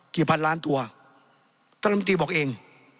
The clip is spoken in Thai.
พันล้านตัวท่านลำตีบอกเอง